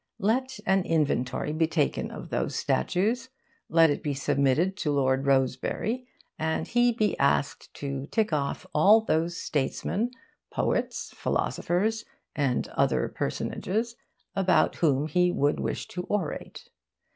Let an inventory be taken of those statues. Let it be submitted to Lord Rosebery, and he be asked to tick off all those statesmen, poets, philosophers and other personages about whom he would wish to orate.